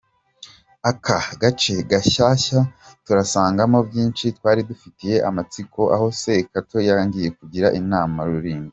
Aka gace gashyashya turasangamo byinshi twari dufitiye amatsiko aho Setako yatangiye kugira inama Rurinda.